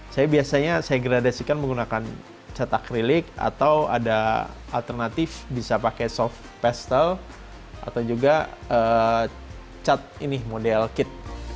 saya biasanya saya gradasikan menggunakan cat akrilik atau ada alternatif bisa pakai soft pastel atau juga cat ini model kit